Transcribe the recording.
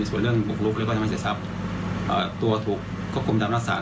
ส่วนเรื่องบุกลุกแล้วก็ทำให้เสียทรัพย์ตัวถูกควบคุมตามรักษา